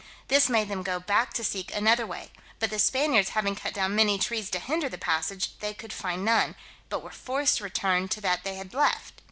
This made them go back to seek another way; but the Spaniards having cut down many trees to hinder the passage, they could find none, but were forced to return to that they had left.